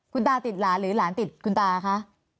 คุณตาติดหลานหรือหลานติดคุณตาคะ